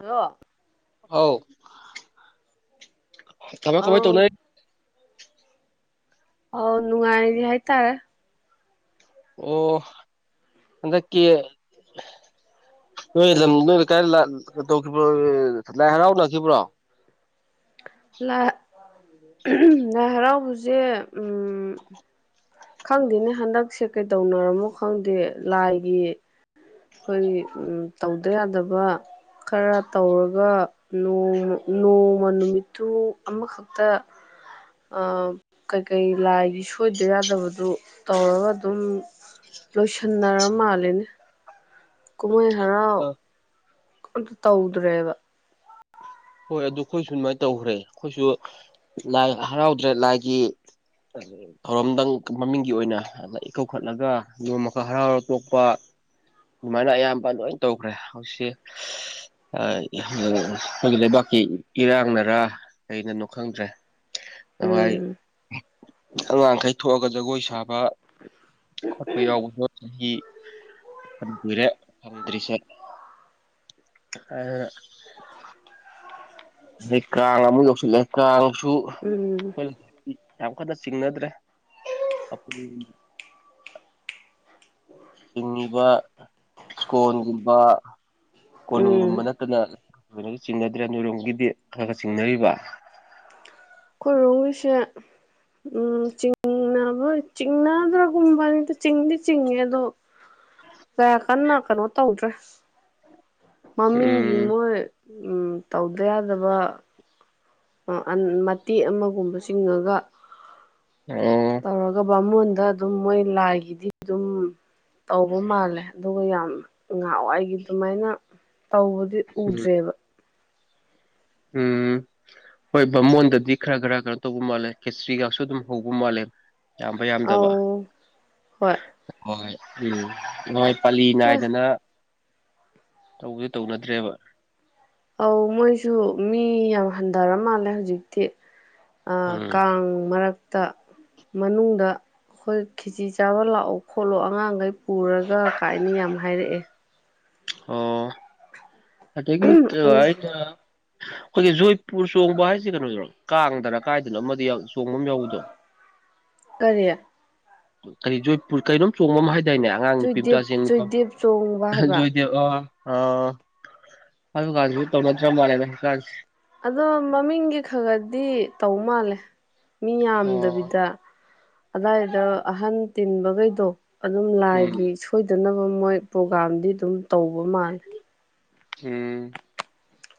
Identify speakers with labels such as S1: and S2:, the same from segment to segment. S1: hello
S2: ꯍꯥꯎ ꯀꯃꯥꯏ ꯀꯃꯥꯏ ꯇꯧꯅ
S1: ꯑꯧ ꯑꯣ ꯅꯨꯡꯥꯏꯔꯤ ꯍꯥꯏꯇꯥꯔꯦ
S2: ꯑꯣ ꯍꯟꯗꯛꯀꯤ ꯅꯣꯏ ꯂꯝ ꯅꯣꯏ ꯂꯩꯀꯥꯏ ꯂꯥꯏ ꯇꯧꯈ꯭ꯔꯤꯕꯣ ꯂꯥꯏ ꯍꯔꯥꯎꯅꯈꯤꯕ꯭ꯔꯣ
S1: ꯂꯥꯏ ꯂꯥꯏ ꯍꯔꯥꯎꯕꯁꯦ ꯈꯪꯗꯦꯅꯦ ꯍꯟꯗꯛꯁꯦ ꯀꯩꯗꯧꯅꯔꯝꯃꯣ ꯈꯪꯗꯦ ꯂꯥꯏꯒꯤ ꯑꯩꯈꯣꯏꯒꯤ ꯎꯝ ꯇꯧꯗ ꯌꯥꯗꯕ ꯈꯔ ꯇꯧꯔꯒ ꯅꯣꯡꯃ ꯅꯣꯡꯃ ꯅꯨꯃꯤꯠꯇꯨ ꯑꯃꯈꯛ ꯇ ꯑ ꯀꯩꯀꯩ ꯂꯥꯏꯒꯤ ꯁꯣꯏꯗ ꯌꯥꯗꯕ ꯗꯨ ꯇꯧꯔꯒ ꯑꯗꯨꯝ ꯂꯣꯏꯁꯟꯅꯔ ꯃꯥꯜꯂꯤꯅꯦ ꯀꯨꯝꯍꯩ ꯍꯔꯥꯎ
S2: ꯑꯥ
S1: ꯑꯝꯇ ꯇꯧꯗ꯭ꯔꯦꯕ
S2: ꯍꯣꯏ ꯑꯗꯨ ꯑꯩꯈꯣꯏꯁꯨ ꯑꯗꯨꯃꯥꯏꯅ ꯇꯧꯈ꯭ꯔꯦ ꯑꯩꯈꯣꯏꯁꯨ ꯂꯥꯏ ꯍꯔꯥꯎꯗ꯭ꯔꯦ ꯂꯥꯏꯒꯤ ꯑ ꯊꯧꯔꯝꯗꯪ ꯃꯃꯤꯡꯒꯤ ꯑꯣꯏꯅ ꯑꯥꯗ ꯏꯀꯧꯈꯠꯂꯒ ꯅꯣꯡꯃꯈꯛ ꯍꯔꯥꯎꯔ ꯇꯣꯛꯄ ꯑꯗꯨꯃꯥꯏꯅ ꯑꯌꯥꯝꯄ ꯂꯣꯏꯟ ꯇꯧꯈ꯭ꯔꯦ ꯍꯧꯁꯤ ꯑꯥ ꯈꯣꯏꯒꯤ ꯂꯩꯕꯥꯛꯀꯤ ꯏꯔꯥꯡꯅꯔꯥ ꯀꯩꯅꯅꯣ ꯈꯪꯗ꯭ꯔꯦ ꯅꯋꯥꯏ
S1: ꯎꯝ
S2: ꯑꯉꯥꯡꯈꯩ ꯊꯣꯛꯑꯒ ꯖꯒꯣꯏ ꯁꯥꯕ ꯈꯣꯠꯄ ꯌꯥꯎꯕꯗꯣ ꯆꯍꯤ ꯐꯅ ꯀꯨꯏꯔꯦ ꯐꯪꯗ꯭ꯔꯤꯁꯦ [unintelligible] ꯑꯗꯩ ꯀꯥꯡ ꯑꯃꯨꯛ ꯌꯧꯁꯤꯜꯂꯦ ꯀꯥꯡꯁꯨ
S1: ꯎꯝ
S2: ꯌꯥꯝ ꯀꯟꯅ ꯆꯤꯡꯅꯗ꯭ꯔꯦ ꯆꯤꯡꯉꯤꯕ ꯁ꯭ꯀꯣꯟꯒꯨꯝꯕ
S1: ꯎꯝ
S2: ꯀꯣꯅꯨꯡꯒꯨꯝꯕ ꯅꯠ ꯇꯅ [unintelligible] ꯆꯤꯡꯅꯗ꯭ꯔꯦ ꯅꯣꯏꯔꯣꯝꯒꯤꯗꯤ ꯈꯔ ꯈ ꯆꯤꯡꯅꯔꯤꯕ
S1: ꯈꯣꯏꯔꯣꯝꯒꯤꯁꯦ ꯎꯝ ꯆꯤꯡ ꯕ ꯆꯤꯡꯅꯗ꯭ꯔꯥꯒꯨꯝꯕꯅꯤꯗ ꯆꯤꯡꯗꯤ ꯆꯤꯡꯉꯦ ꯑꯗꯣ ꯀꯌꯥ ꯀꯟꯅ ꯀꯩꯅꯣ ꯇꯧꯗ꯭ꯔꯦ ꯃꯃꯤꯡꯒꯤ
S2: ꯎꯝ
S1: ꯃꯣꯏ ꯎꯝ ꯇꯧꯗ ꯌꯥꯗꯕ ꯑ ꯑꯟ ꯃꯇꯦꯛ ꯑꯃꯒꯨꯝꯕ ꯆꯤꯡꯉꯒ
S2: [unintelligible]
S1: ꯇꯧꯔꯒ ꯕꯥꯉꯣꯟꯗ ꯑꯗꯨꯝ ꯃꯣꯏ ꯂꯥꯏꯒꯤꯗꯤ ꯗꯨꯝ ꯇꯧꯕ ꯃꯥꯜꯂꯦ ꯑꯗꯨꯒ ꯌꯥꯝ ꯉꯥꯍꯥꯋꯥꯑꯣꯒꯤ ꯗꯨꯃꯥꯏꯅ ꯇꯧꯕꯗꯤ
S2: ꯎꯝ
S1: ꯎꯗ꯭ꯔꯦꯕ
S2: ꯎꯝ ꯍꯣꯏ ꯕꯥꯃꯣꯟꯗꯗꯤ ꯈꯔ ꯈꯔ ꯀꯅꯣ ꯇꯧꯕ ꯃꯥꯜꯂꯦ ꯈꯦꯆ꯭ꯔꯤꯒꯛꯁꯨ ꯑꯗꯨꯝ ꯍꯧꯕ ꯃꯥꯜꯂꯦ ꯌꯥꯝꯕ ꯌꯥꯝꯗꯕ
S1: ꯑꯧ ꯍꯣꯏ
S2: ꯍꯣꯏ ꯎꯝ ꯅꯣꯏ ꯄꯜꯂꯤ
S1: ꯑꯦ
S2: ꯅꯥꯏꯗꯅ ꯇꯧ [unintelligible] ꯇꯧꯅꯗ꯭ꯔꯦꯕ
S1: ꯑꯧ ꯃꯣꯏꯁꯨ ꯃꯤ ꯌꯥꯝ ꯍꯟꯗꯔ ꯃꯥꯜꯂꯦ ꯍꯧꯖꯤꯛꯇꯤ ꯑ
S2: ꯎꯝ
S1: ꯀꯥꯡ ꯃꯔꯛꯇ ꯃꯅꯨꯡꯗ ꯈꯣꯏ ꯈꯦꯆꯤ ꯆꯥꯕ ꯂꯥꯛꯑꯣ ꯈꯣꯠꯂꯣ ꯑꯉꯥꯡꯒꯩ ꯄꯨꯔꯒ ꯀꯥꯏꯅ ꯌꯥꯝ ꯍꯥꯏꯔꯛꯑꯦ
S2: ꯑꯣ ꯑꯗꯒꯤ ꯀ ꯑꯩꯅ ꯈꯣꯏꯒꯤ ꯖꯣꯏꯄꯨꯔ ꯆꯣꯡꯕ ꯍꯥꯏꯁꯦ ꯀꯩꯅꯣꯗꯔꯣ ꯀꯥꯡꯗꯔꯥ ꯀꯥꯏꯗꯅꯣ ꯑꯃꯗꯤ ꯌꯥꯝ ꯆꯣꯡꯕ ꯑꯃ ꯌꯥꯎꯕꯗꯣ [inaudible]
S1: ꯀꯔꯤ
S2: ꯀꯔꯤ ꯖꯣꯏꯄꯨꯔ ꯀꯩꯅꯣꯝ ꯆꯣꯡꯕꯃ ꯍꯥꯏ ꯗꯥꯏꯅꯦ ꯑꯉꯥꯡ ꯅꯨꯄꯤ
S1: ꯆꯨꯏꯗꯦꯞ
S2: ꯃꯆꯥꯁꯤꯡ
S1: ꯆꯨꯏꯗꯦꯞ ꯆꯣꯡꯕ ꯍꯥꯏꯕ
S2: ꯖꯣꯏꯗꯦ ꯑꯣ ꯑꯥ ꯑꯗꯨꯀꯁꯨ ꯇꯧꯅꯗ꯭ꯔ ꯃꯥꯜꯂꯦꯅꯦ ꯍꯧꯀꯥꯟꯁꯤ
S1: ꯑꯗꯣ ꯃꯃꯤꯡꯒꯤ ꯈ ꯈ ꯗꯤ ꯇꯧ ꯃꯥꯜꯂꯦ ꯃꯤ
S2: ꯑꯣ
S1: ꯌꯥꯝꯗꯕꯤꯗ ꯑꯗꯥꯏꯗ ꯑꯍꯟ ꯇꯤꯟꯕꯒꯩꯗꯣ ꯑꯗꯨꯝ ꯂꯥꯏꯒꯤ
S2: ꯎꯝ
S1: ꯁꯣꯏꯗꯅꯕ ꯃꯣꯏ ꯄ꯭ꯔꯣꯒꯥꯝꯗꯤ ꯗꯨꯝ ꯇꯧꯕ ꯃꯥꯜꯂꯦ
S2: [unintelligible]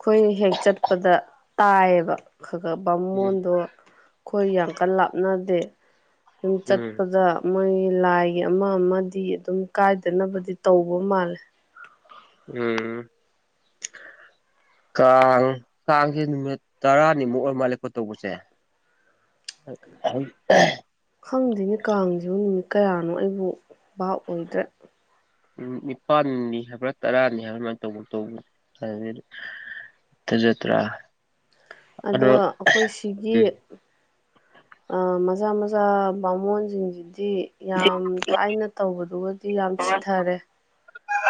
S1: ꯈꯣꯏꯅ ꯍꯦꯛ ꯆꯠꯄꯗ ꯇꯥꯏꯌꯦꯕ ꯈ ꯈ
S2: ꯎꯝ
S1: ꯕꯥꯃꯣꯟꯗꯣ ꯈꯣꯏ ꯌꯥꯝ ꯀꯟꯅ ꯂꯥꯞꯅꯗꯦ [unintelligible]
S2: ꯎꯝ
S1: ꯆꯠꯄꯗ ꯃꯣꯏꯒꯤ ꯂꯥꯏꯒꯤ ꯑꯃ ꯑꯃꯗꯤ ꯑꯗꯨꯝ ꯀꯥꯏꯗꯅꯕꯗꯤ ꯇꯧꯕ ꯃꯥꯜꯂꯦ
S2: ꯎꯝ ꯀꯥꯡ ꯀꯥꯡꯁꯦ ꯅꯨꯃꯤꯠ ꯇꯔꯥꯅꯤꯃꯨꯛ ꯑꯣꯏ ꯃꯥꯜꯂꯦꯀꯣ ꯇꯧꯕꯁꯦ ꯑ ꯑꯍꯝ ꯑ
S1: ꯈꯪꯗꯦꯅꯦ ꯀꯥꯡꯖꯤꯕꯨ ꯅꯨꯃꯤꯠ ꯀꯌꯥꯅꯣ ꯑꯩꯕꯨ ꯚꯥꯞ ꯑꯣꯏꯗ꯭ꯔꯦ
S2: ꯎꯝ ꯅꯤꯄꯥꯜꯅꯤ ꯍꯥꯏꯕ꯭ꯔꯥ ꯇꯔꯥꯅꯤ ꯍꯥꯏꯕ꯭ꯔꯥ ꯑꯗꯨꯃꯥꯏꯅ [unintelligible] ꯇꯧꯕ ꯇꯧꯕ ꯑꯗꯨ ꯊꯖꯇ꯭ꯔꯥ
S1: ꯑꯗꯣ ꯑꯩꯈꯣꯏ ꯁꯤꯒꯤ
S2: ꯎꯝ
S1: ꯑ ꯃꯆꯥ ꯃꯆꯥ ꯕꯥꯃꯣꯟꯁꯤꯡꯁꯤꯗꯤ ꯌꯥꯝ ꯊꯥꯏꯅ ꯇꯧꯕꯗꯨꯒꯗꯤ ꯌꯥꯝ ꯁꯤꯊꯔꯦ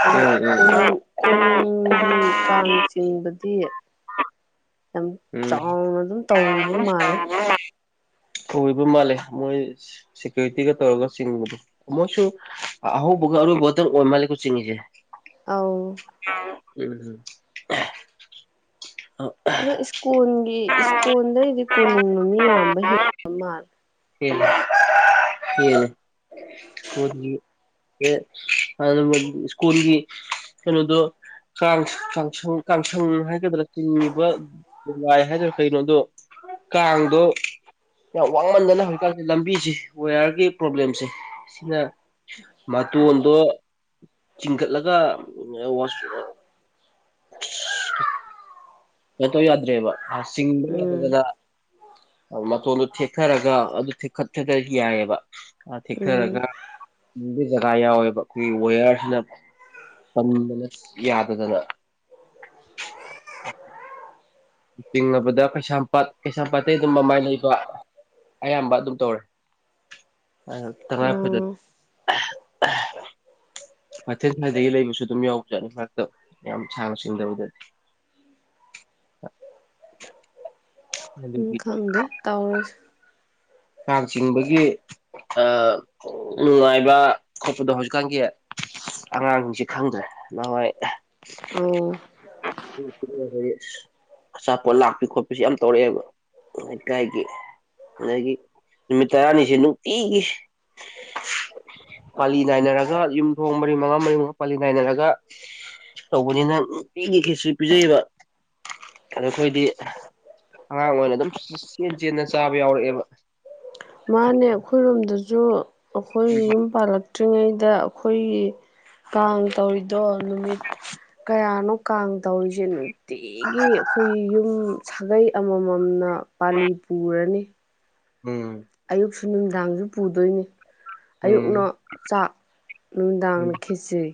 S1: ꯑꯗꯣ
S2: ꯎꯝ
S1: ꯀꯣꯅꯨꯡ ꯀꯣꯅꯨꯡꯒꯤ ꯀꯥꯡ ꯆꯤꯡꯕꯗꯤ ꯌꯥꯝ
S2: ꯎꯝ ꯎꯝ
S1: ꯆꯥꯎꯅ ꯑꯗꯨꯝ ꯇꯧꯔꯤꯕ ꯃꯥꯜꯂꯦ
S2: ꯁ‌ꯣꯏꯕ ꯃꯥꯜꯂꯦ ꯃꯣꯏ ꯁꯦꯀ꯭ꯌꯨꯔꯤꯇꯤꯒ ꯇꯧꯔꯒ ꯆꯤꯡꯕꯗꯣ ꯃꯣꯏꯁꯨ ꯑꯍꯧꯕꯒ ꯑꯔ‌ꯣꯏꯕꯗꯪ ꯑꯣꯏ ꯃꯥꯜꯂꯤꯀ‌ꯣ ꯆꯤꯡꯉꯁꯦ
S1: ꯑꯥꯎ
S2: ꯍ [unintelligible] ꯑ
S1: ꯑꯗꯣ ꯏꯁꯀꯣꯟꯜꯒꯤ ꯏꯁꯀꯣꯟꯜꯗꯩꯗꯤ ꯀꯣꯅꯨꯡꯅ ꯃꯤ ꯌꯥꯝꯕ ꯍꯦꯟꯕ ꯃꯥꯜꯂꯦ
S2: ꯍꯅꯦ ꯍꯅꯦ [unintelligible] ꯑ [unintelligible] ꯁ꯭ꯀꯨꯜꯒꯤ ꯀꯩꯅꯣꯗꯣ ꯀꯥꯡ ꯀꯥꯡꯁꯪ ꯀꯥꯡꯁꯪ ꯍꯥꯏꯒꯗ꯭ꯔꯥ ꯆꯤꯡꯕ ꯅꯨꯡꯉꯥꯏ ꯍꯥꯏꯗ‌ꯣꯔ ꯀꯩꯅꯣ ꯑꯗꯣ ꯀꯥꯡꯗꯣ ꯌꯥꯝ ꯋꯥꯡꯃꯟꯗꯅ ꯍꯧꯖꯤꯛꯀꯥꯟꯁꯦ ꯂꯝꯕꯤꯁꯤ ꯋꯦꯌꯥꯔꯒꯤ ꯄ꯭ꯔꯣꯕ꯭ꯂꯦꯝꯁꯦ ꯁꯤꯅ ꯃꯇꯣꯟꯗꯣ ꯆꯤꯡꯈꯠꯂꯒ ꯆꯠꯇꯧ ꯌꯥꯗ꯭ꯔꯦꯕ ꯆꯤꯡꯕ
S1: ꯎꯝ
S2: ꯌꯥꯗꯗ ꯑ ꯃꯇꯣꯟꯗꯨ ꯊꯦꯛꯊꯔꯒ ꯑꯗꯨ ꯊꯦꯛꯠꯊ ꯌꯥꯏꯑꯕ ꯑ
S1: ꯎꯝ
S2: ꯊꯦꯛꯊꯔꯒ ꯒꯤ ꯖꯒꯥ ꯌꯥꯎꯋꯦꯕ ꯋꯦꯌꯔꯁꯤꯅ ꯄꯟꯕꯅ ꯌꯥꯗꯗꯅ ꯇꯤꯡꯉꯕꯗ ꯀꯩꯁꯥꯝꯄꯥꯠ ꯀꯩꯁꯥꯝꯄꯥꯠꯇꯩ ꯑꯗꯨꯝ ꯃꯃꯥꯏ ꯂꯩꯕ ꯑꯌꯥꯝꯕ ꯑꯗꯨꯝ ꯇꯧꯔꯦ ꯇꯉꯥꯏ ꯐꯗꯦ
S1: ꯑꯣ
S2: [unintelligible] ꯃꯊꯦꯜ ꯁ꯭ꯋꯥꯏꯗꯒꯤ ꯂꯩꯕꯁꯨ ꯑꯗꯨꯝ ꯌꯥꯎꯕ ꯆꯥꯠꯅꯤ ꯃꯔꯛꯇ ꯌꯥꯝ ꯁꯥꯥꯡꯅ ꯁꯤꯡꯗꯕꯗꯗꯤ
S1: ꯎꯝ
S2: ꯑꯗꯨꯒꯤ
S1: ꯈꯪꯗꯦ ꯇꯧꯔꯁꯨ
S2: ꯀꯥꯡ ꯆꯤꯡꯕꯒꯤ ꯅꯨꯡꯉꯥꯏꯕ ꯈꯣꯠꯄꯗꯣ ꯍꯧꯖꯤꯛꯀꯥꯟꯒꯤ ꯑꯉꯥꯡꯁꯤꯡꯁꯤ ꯈꯪꯗ꯭ꯔꯦ ꯅ‌ꯣꯏ ꯎ ꯍ
S1: ꯑꯣ
S2: ꯑꯁ [unintelligible] ꯑꯆꯥꯄꯣꯠ ꯂꯥꯛꯄꯤ ꯈꯣꯠꯄꯁꯤ ꯌꯥꯝ ꯇꯧꯔꯛꯑꯦꯕ ꯂꯩꯀꯥꯏꯒꯤ ꯑꯗꯒꯤ ꯅꯨꯃꯤꯠ ꯇꯔꯥꯅꯤꯁꯦ ꯅꯨꯡꯇꯤꯒꯤ ꯄꯥꯂꯤ ꯅꯥꯏꯅꯔꯒ ꯌꯨꯝꯊꯣꯡ ꯃꯔꯤ ꯃꯉꯥ ꯃꯔꯤ ꯃꯉꯥ ꯄꯥꯂꯤ ꯅꯥꯏꯅꯔꯒ ꯇꯧꯕꯅꯤꯅ ꯅꯨꯡꯇꯤꯒꯤ ꯈꯦꯆ꯭ꯔꯤ ꯄꯤꯖꯩꯌꯦꯕ ꯑꯗ ꯑꯩꯈꯣꯏꯗꯤ ꯑꯉꯥꯡ ꯑꯣꯏꯅ ꯑꯗꯨꯝ ꯆꯦꯟ ꯆꯦꯟꯗꯅ ꯆꯥꯕ ꯌꯥꯎꯔꯛꯑꯦꯕ
S1: ꯃꯥꯅꯦ ꯑꯩꯈꯣꯏꯔꯣꯝꯗꯁꯨ ꯑꯩꯈꯣꯏ ꯌꯨꯝ ꯄꯥꯜꯂꯛꯇ꯭ꯔꯤꯉꯩꯗ ꯑꯩꯈꯣꯏꯒꯤ ꯀꯥꯡ ꯇꯧꯔꯤꯗꯣ ꯅꯨꯃꯤꯠ ꯀꯌꯥꯅꯣ ꯀꯥꯡ ꯇꯧꯔꯤꯁꯦ ꯅꯨꯡꯇꯤ ꯅꯨꯡꯇꯤꯒꯤ ꯑꯩꯈꯣꯏ ꯌꯨꯝ ꯁꯥꯒꯩ ꯑꯃ ꯃꯝꯅ ꯄꯥꯂꯤ ꯄꯨꯔꯅꯤ
S2: ꯎꯝ
S1: ꯑꯌꯨꯛꯁꯨ ꯅꯨꯡꯗꯥꯡꯁꯨ ꯄꯨꯗꯣꯏꯅꯤ
S2: ꯎꯝ
S1: ꯑꯌꯨꯛꯅ ꯆꯥꯛ
S2: ꯎꯝ
S1: ꯅꯨꯡꯗꯥꯡꯅ ꯈꯦꯆ꯭ꯔꯤ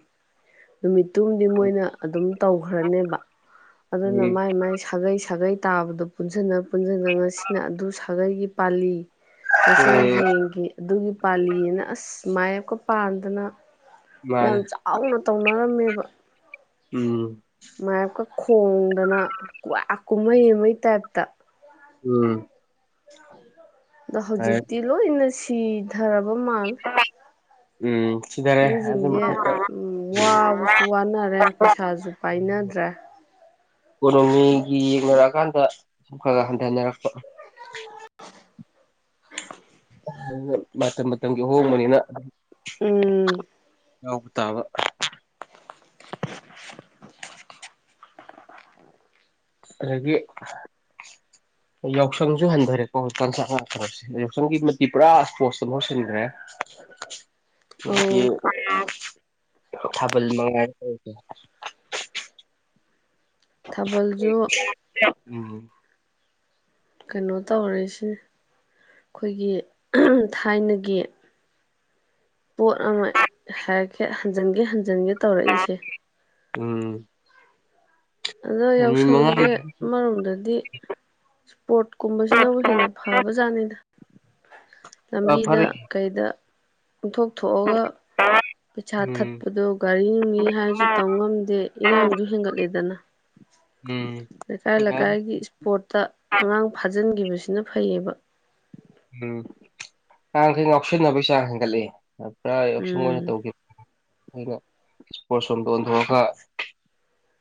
S1: ꯅꯨꯃꯤꯠꯇꯨꯝꯗꯤ ꯃꯣꯏꯅ ꯑꯗꯨꯝ ꯇꯧꯈ꯭ꯔꯅꯦꯕ ꯑꯗꯨꯅ
S2: ꯎꯝ
S1: ꯃꯥꯏ ꯃꯥꯏ ꯁꯥꯒꯩ ꯁꯥꯒꯩ ꯇꯥꯕꯗꯣ ꯄꯨꯟꯁꯤꯟꯅ ꯄꯨꯟꯁꯤꯟꯅ ꯁꯤꯅ ꯑꯗꯨ ꯁꯥꯒꯩꯒꯤ ꯄꯥꯜꯂꯤ ꯉꯁꯤꯅ
S2: ꯎꯝ
S1: ꯍꯌꯦꯡꯒꯤ ꯑꯗꯨꯒꯤ ꯄꯥꯜꯂꯤꯑꯅ ꯑꯁ ꯃꯥꯌꯦꯞꯀ ꯄꯥꯟꯗꯅ ꯌꯥꯝ
S2: ꯃꯥꯅꯦ
S1: ꯆꯥꯎꯅ ꯇꯧꯅꯔꯝꯃꯦꯕ
S2: ꯎꯝ
S1: ꯃꯥꯌꯦꯞꯀ ꯈꯣꯡꯗꯅ ꯀꯨꯋꯥ ꯀꯨꯝꯍꯩ ꯑꯃꯩ ꯇꯥꯏꯞꯇ
S2: ꯎꯝ
S1: ꯑꯗꯣ ꯍꯧꯖꯤꯛꯇꯤ ꯂꯣꯏꯅ ꯁꯤꯊꯔꯕ ꯃꯥꯜꯂꯦ
S2: ꯎꯝ ꯁꯤꯗꯔꯦ ꯑꯗꯨ
S1: ꯃꯤꯖꯤꯡꯁꯦ
S2: ꯃꯊꯛꯇ
S1: ꯎꯝ ꯋꯥꯕꯁꯨ ꯋꯥꯅꯔꯦ ꯄꯩꯁꯥꯁꯨ ꯄꯥꯏꯅꯗ꯭ꯔꯦ
S2: ꯏꯀꯣꯅꯣꯃꯤꯒꯤ ꯌꯦꯡꯅꯔꯛꯑꯥ ꯀꯥꯟꯗ ꯁꯨꯝ ꯈꯔ ꯈꯔ ꯍꯟꯊꯅꯔꯛꯄ
S1: [inaudible]
S2: ꯃꯇꯝ ꯃꯇꯝꯒꯤ ꯑꯍꯣꯡꯕꯅꯤꯅ
S1: ꯎꯝ
S2: ꯌꯥꯎꯕ ꯇꯥꯕ ꯑꯗꯒꯤ ꯌꯥꯎꯁꯪꯁꯨ ꯍꯟꯗꯔꯦꯀꯣ ꯍꯧꯖꯤꯛ ꯀꯥꯟꯁꯦ ꯑꯉꯥꯡ ꯀꯩꯅꯣꯁꯦ ꯌꯥꯎꯁꯪꯒꯤ ꯃꯍꯨꯠꯇꯤ ꯄꯨꯔꯥ ꯏꯁꯄꯣꯔꯠꯁꯇ ꯃꯍꯨꯠ ꯁꯤꯟꯒꯔꯦ ꯅꯣꯒꯤ
S1: ꯑꯧ
S2: ꯎꯝ ꯊꯥꯕꯜ ꯃꯉꯥꯜ [unintelligible]
S1: ꯊꯥꯕꯜꯁꯨ
S2: ꯎꯝ
S1: ꯀꯩꯅꯣ ꯇꯧꯔꯦꯁꯤꯅ ꯈꯣꯏꯒꯤ ꯊꯥꯏꯅꯒꯤ ꯄꯣꯠ ꯑꯃ ꯍꯥꯏꯔꯛꯀꯦ ꯍꯟꯖꯟꯒꯦ ꯍꯟꯖꯟꯒꯦ ꯇꯧꯔꯛꯏꯁꯦ
S2: ꯎꯝ
S1: ꯑꯗꯣ
S2: ꯅꯨꯃꯤꯠ
S1: ꯌꯥꯎꯁꯪꯁꯦ
S2: ꯃꯉꯥꯅꯤ
S1: ꯑꯃꯔꯣꯝꯗꯗꯤ ꯏꯁꯄꯣꯔꯠꯀꯨꯝꯕꯁꯤꯅꯕꯨ ꯍꯦꯟꯅ ꯐꯕ ꯖꯥꯠꯅꯤꯗ ꯂꯝꯕꯤꯗ
S2: ꯐꯔꯦ
S1: ꯀꯩꯗ ꯄꯨꯡꯊꯣꯛ ꯊꯣꯛꯑꯒ ꯄꯩꯁꯥ
S2: ꯎꯝ
S1: ꯊꯠꯄꯗꯣ ꯒꯥꯔꯤ ꯅꯨꯡꯅꯤ ꯍꯥꯏꯔꯁꯨ ꯇꯝ ꯉꯝꯗꯦ ꯏꯔꯥꯡꯁꯨ ꯍꯦꯟꯒꯠꯂꯦꯗꯅ
S2: [unintelligible]
S1: ꯂꯩꯀꯥꯏ ꯂꯩꯀꯥꯏꯒꯤ ꯏꯁꯄꯣꯔꯠꯇ ꯑꯉꯥꯡ ꯐꯥꯖꯤꯟꯒꯤꯕꯁꯤꯅ ꯐꯩꯌꯦꯕ
S2: ꯎꯝ ꯑꯉꯥꯡꯈꯩ ꯉꯥꯎꯁꯤꯟꯅꯕꯩ ꯆꯥꯡ ꯍꯦꯟꯒꯠꯂꯛꯑꯦ ꯄꯨꯔꯥ ꯌꯥꯎꯁꯪ ꯑꯣꯏꯅ
S1: ꯎꯝ
S2: ꯇꯧꯒꯤꯞ ꯏꯁꯄꯣꯔꯠꯁ ꯔꯣꯝꯗ ꯑꯣꯟꯊꯣꯛꯑꯒ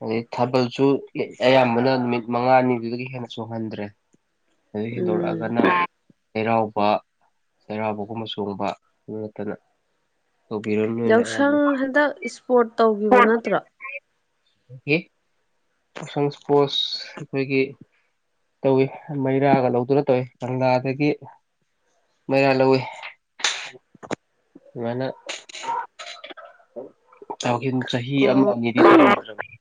S2: ꯑꯗꯩ ꯊꯥꯕꯜꯁꯨ ꯑꯌꯥꯝꯕꯅ ꯅꯨꯃꯤꯠ ꯃꯉꯥꯅꯤꯗꯨꯗꯒꯤ ꯍꯦꯟꯅ ꯆꯣꯡꯍꯟꯗ꯭ꯔꯦ ꯑꯗꯩꯩ
S1: ꯎꯝ
S2: ꯍꯦꯟꯗꯣꯔꯛꯑꯒꯅ ꯆꯩꯔꯥꯎꯕ ꯆꯩꯔꯥꯎꯕꯒꯨꯝꯕ ꯆꯣꯡꯕ ꯑꯗꯨ ꯅꯠꯇꯅ ꯇꯧꯕꯤꯔꯅꯨꯅ ꯌꯥꯝ
S1: ꯌꯥꯎꯁꯪ ꯍꯟꯗꯛ ꯏꯁꯄꯣꯔꯠ ꯇꯧꯈꯤꯕ ꯅꯠꯇ꯭ꯔꯣ
S2: [inaudible] ꯌꯥꯎꯁꯪ ꯏꯁꯄꯣꯔꯠꯁ ꯑꯩꯈꯣꯏꯒꯤ ꯇꯧꯋꯤ ꯃꯩꯔꯥꯒ ꯂꯧꯗꯨꯅ ꯇꯧꯋꯤ ꯀꯪꯂꯥꯗꯒꯤ ꯃꯩꯔꯥ ꯂꯧꯋꯤ ꯑꯗꯨꯃꯥꯏꯅ ꯇꯧꯒꯤꯝ ꯆꯍꯤ ꯑꯃ
S1: ꯑꯣ
S2: ꯑꯅꯤꯗꯤ ꯇꯧꯗꯔꯕꯅꯦ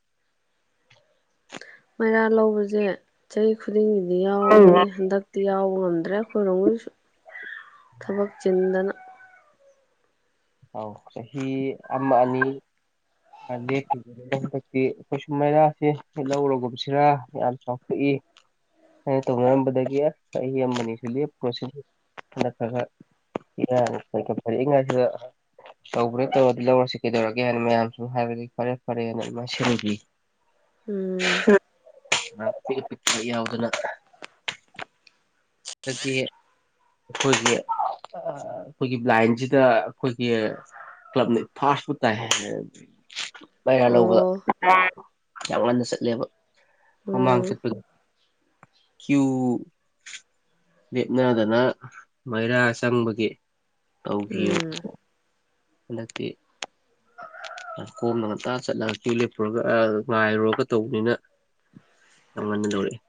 S1: ꯃꯩꯔꯥ ꯂꯧꯕꯁꯦ ꯆꯍꯤ ꯈꯨꯗꯤꯡꯒꯤꯗꯤ ꯌꯥꯎꯕꯅꯦ ꯍꯟꯗꯛ ꯇꯤ ꯌꯥꯎꯕ ꯉꯝꯗ꯭ꯔꯦ ꯑꯈꯣꯏꯔꯣꯝꯒꯤꯁꯨ ꯊꯕꯛ ꯆꯤꯟꯗꯅ
S2: ꯑꯧ ꯆꯍꯤ ꯑꯃ ꯑꯅꯤ ꯂꯦꯞꯈꯤꯕꯗꯣ ꯍꯟꯗꯛꯇꯤ ꯑꯩꯈꯣꯏꯁꯨ ꯃꯩꯔꯥꯥꯁꯦ ꯂꯧꯔꯒꯨꯝꯁꯤꯔꯥ ꯌꯥꯝ ꯆꯥꯎꯊꯣꯛꯏ ꯍꯥꯏꯅ ꯇꯧꯅꯔꯝꯕꯗꯒꯤ ꯑꯁ ꯆꯍꯤ ꯑꯃ ꯑꯅꯤꯁꯨ ꯂꯦꯞꯄꯨꯔꯁꯤꯕꯨ ꯅꯠꯇꯔꯥꯒ ꯏꯅꯥ ꯈꯥꯈꯥ ꯈꯨꯜꯂꯤꯉꯩꯗꯨꯗ ꯇꯧꯕꯅꯦ ꯇꯧꯔꯗꯤ ꯂꯧꯔꯁꯤ ꯀꯩꯗꯧꯔꯒꯦ ꯍꯥꯏꯅ ꯃꯌꯥꯝꯁꯨ ꯍꯥꯏꯕꯗꯒꯤ ꯐꯔꯦ ꯐꯔꯦꯅ ꯑꯗꯨꯃꯥꯏꯅ ꯁꯤꯟꯒꯤ
S1: ꯎꯝ
S2: [inaudible] ꯄꯤꯛꯄ ꯌꯥꯎꯗꯅ ꯍꯟꯗꯛꯇꯤ ꯑꯩꯈꯣꯏꯒꯤ ꯑꯩꯈꯣꯏꯒꯤ ꯕꯂꯥꯏꯟꯁꯤꯗ ꯑꯩꯈꯣꯏꯒꯤ ꯀꯂꯞꯅ ꯐꯔꯥꯁꯄꯨ ꯇꯥꯏ ꯍꯥꯏ [unintelligible] ꯂꯧꯕꯗ
S1: ꯑꯣ
S2: [unintelligible] ꯌꯥꯝ ꯉꯟꯅ ꯆꯠꯂꯦꯕ ꯃꯃꯥꯡ
S1: ꯎꯝ
S2: ꯆꯠꯄꯗ ꯀ꯭ꯌꯨ ꯂꯦꯞꯅꯗꯅ ꯃꯩꯔꯥ ꯆꯪꯕꯒꯤ ꯇꯧꯈꯤꯕ
S1: ꯎꯝ
S2: ꯍꯟꯗꯛꯇꯤ ꯀꯣꯝꯅ ꯉꯟꯇꯥ ꯆꯠꯂꯒ ꯀ꯭ꯌꯨ ꯂꯦꯞꯄꯨꯔꯒ ꯑꯥ ꯉꯥꯏꯔꯨꯔꯒ ꯇꯧꯕꯅꯤꯅ ꯌꯥꯝ ꯉꯟꯅ ꯂꯧꯔꯛꯑꯦ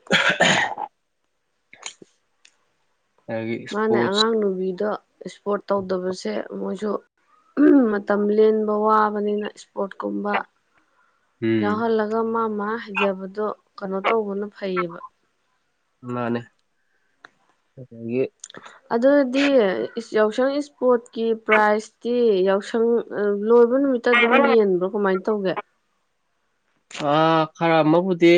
S2: [unintelligible] ꯑꯗꯒꯤ
S1: ꯃꯥꯅ
S2: ꯏꯁꯄꯣꯔꯠꯁ
S1: ꯑꯉꯥꯡ ꯅꯨꯨꯕꯤꯗꯣ ꯏꯁꯄꯣꯔꯠ ꯇꯧꯗꯕꯁꯦ ꯃꯣꯏꯁꯨ ꯎꯝ ꯃꯇꯝ ꯂꯦꯟꯕ ꯋꯥꯕꯅꯤꯅ ꯏꯁꯄꯣꯔꯠꯀꯨꯝꯕ
S2: ꯎꯝ
S1: ꯌꯥꯎꯍꯜꯂꯒ ꯃꯥ ꯃꯥ ꯍꯩꯖꯕꯗꯣ ꯀꯅꯣ ꯇꯧꯕꯅ ꯐꯩꯌꯦꯕ
S2: ꯃꯥꯅꯦ ꯑꯗꯒꯤ
S1: ꯑꯗꯨꯗꯤ ꯏꯁ ꯌꯥꯎꯁꯪ ꯏꯁꯄꯣꯔꯠꯀꯤ ꯄ꯭ꯔꯥꯏꯖꯇꯤ ꯌꯥꯎꯁꯪ ꯑꯗꯨꯝ ꯂꯣꯏꯕ ꯅꯨꯃꯤꯠꯇ ꯑꯗꯨꯝ ꯌꯦꯟꯕ꯭ꯔꯣ ꯀꯃꯥꯏꯅ ꯇꯧꯒꯦ
S2: ꯑꯥ ꯈꯔ ꯑꯃꯕꯨꯗꯤ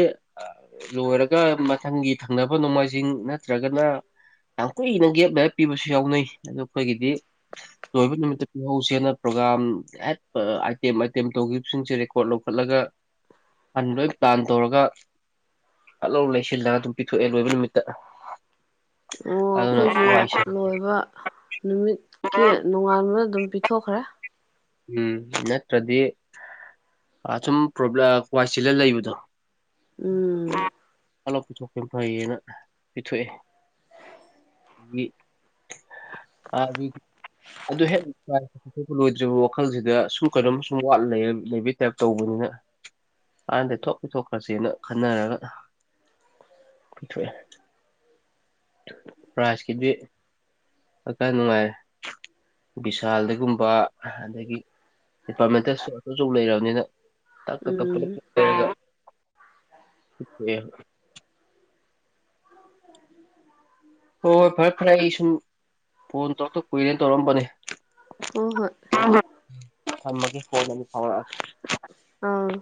S2: ꯂꯣꯏꯔꯒ ꯃꯊꯪꯒꯤ ꯊꯪꯅꯕ ꯅꯣꯡꯃꯥꯏꯖꯤꯡ ꯅꯠꯇ꯭ꯔꯒꯅ ꯌꯥꯝ ꯀꯨꯏꯅ ꯒꯦꯞ ꯂꯩꯔ ꯄꯤꯕꯁꯨ ꯌꯥꯎꯅꯩ ꯑꯗꯣ ꯑꯈꯣꯏꯒꯤꯗꯤ ꯂꯣꯏꯕ ꯅꯨꯃꯤꯠꯇ ꯄꯤꯍꯧꯁꯦꯅ ꯄ꯭ꯔꯣꯒꯥ꯭ꯔꯝ [unintelligible] ꯑꯥꯏꯇꯦꯝ ꯑꯥꯏꯇꯦꯝ ꯇꯧꯈꯤꯕꯁꯤꯡꯁꯦ ꯔꯦꯀꯣꯔꯠ ꯂꯧꯈꯠꯂꯒ ꯍꯥꯟꯅ ꯂꯣꯏ ꯄ꯭ꯂꯥꯟ ꯇꯧꯔꯒ ꯐꯠꯂꯥꯎ ꯂꯩꯁꯤꯜꯂꯒ ꯑꯗꯨꯝ ꯄꯤꯊꯣꯛꯑꯦ ꯂꯣꯏꯕ ꯅꯨꯃꯤꯠꯇ
S1: ꯑꯣ
S2: ꯑꯗꯨꯅ
S1: ꯑꯈꯣꯏꯁꯨ
S2: ꯋꯥꯏꯁꯦ
S1: ꯂꯣꯏꯕ ꯅꯨꯃꯤꯠꯀꯤ ꯅꯣꯡꯉꯥꯟꯕꯗ ꯑꯗꯨꯝ ꯄꯤ ꯊꯣꯛꯈ꯭ꯔꯦ
S2: ꯎꯝ ꯅꯠꯇ꯭ꯔꯗꯤ ꯑꯥ ꯁꯨꯝ ꯄ꯭ꯔꯣꯕ꯭ꯂꯥ ꯋꯥꯏ ꯆꯤꯜꯂ ꯂꯩꯕꯗꯣ [unintelligible]
S1: ꯎꯝ
S2: ꯐꯠ ꯂꯥꯎ ꯄꯤꯊꯣꯛꯈꯤꯝ ꯐꯩꯌꯦꯅ ꯄꯤꯊꯣꯛꯑꯦ [unintelligible] ꯑꯗꯨ ꯍꯦꯛ ꯄ꯭ꯔꯥꯏꯖꯇꯣ ꯄꯤꯊꯣꯛꯄ ꯂꯣꯏꯗ꯭ꯔꯤꯕꯕꯥꯎ ꯋꯥꯈꯜꯁꯤꯗ ꯁꯨꯝ ꯀꯩꯅꯣꯝ ꯁꯨꯝ ꯋꯥꯠꯂ ꯂꯩꯔ ꯂꯩꯕꯩ ꯇꯥꯏꯞ ꯇꯧꯕꯅꯤꯅ ꯀꯥꯟꯗꯦ ꯊꯣꯛ ꯄꯤꯊꯣꯛꯈ꯭ꯔꯁꯦꯅ ꯈꯟꯅꯔꯒ ꯄꯤꯊꯣꯛꯑꯦ ꯄ꯭ꯔꯥꯏꯖꯀꯤꯗꯤ ꯇꯞꯇꯥꯏ ꯅꯨꯡꯉꯥꯏꯔꯦ ꯕꯤꯁꯥꯜꯗꯩꯒꯨꯝꯕ ꯑꯗꯒꯤ ꯗꯤꯄꯥꯔꯠꯃꯦꯟꯇꯦꯜ ꯁ꯭ꯇꯣꯔ ꯑꯆꯧ ꯑꯆꯧꯕ ꯂꯩꯔꯕꯅꯤꯅ ꯇꯛ ꯀꯛ
S1: ꯎꯝ
S2: ꯀꯛꯄꯗ [unintelligible] ꯍꯣꯏ ꯍꯣꯏ ꯐꯔꯦ ꯐꯔꯦ ꯑꯩ ꯁꯨꯝ ꯐꯣꯟ ꯇꯧꯔꯛꯇ ꯀꯨꯏꯔꯦꯅ ꯇꯧꯔꯛꯑꯝꯕꯅꯤ
S1: ꯍꯣꯏ ꯍꯣꯏ
S2: [unintelligible] ꯊꯝꯃꯒꯦ ꯀꯣꯟꯅ ꯑꯃꯨꯛ ꯐꯥꯎꯔꯛꯑꯒꯦ
S1: ꯑꯥ